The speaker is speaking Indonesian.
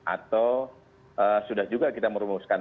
atau sudah juga kita merumuskan